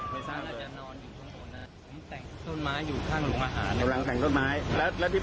เป็นลูกของหลานนะใช่ไหมครับ